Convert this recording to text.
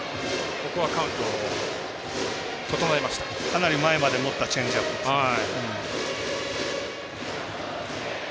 かなり前まで持ったチェンジアップでしたね。